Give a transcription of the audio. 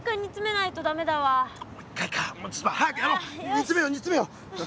煮詰めよう煮詰めよう！